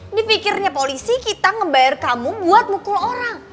ini pikirnya polisi kita ngebayar kamu buat mukul orang